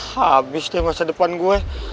habis deh masa depan gue